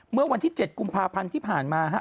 เมื่อวันที่๗กุมภาพันธ์ที่ผ่านมาครับ